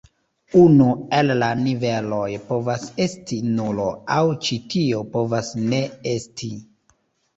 Unu el la niveloj povas esti nulo, aŭ ĉi tio povas ne esti.